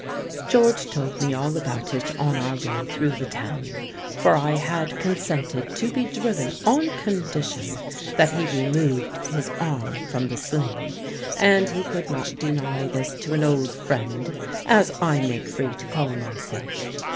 George told me all about it on our way through the town for I had consented to be driven on condition that he removed his arm from the sling, and he could not deny this to an old friend (as I make free to call myself).